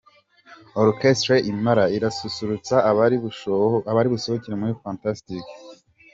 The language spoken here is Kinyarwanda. Orchestre Impala irasusurutsa abari busohokere muri Fantastic.